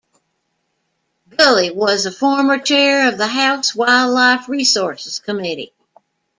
Gulley was a former Chair of the House Wildlife Resources Committee.